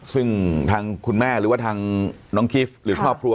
ซึ่งทางคุณแม่หรือว่าทางน้องกิฟต์หรือครอบครัว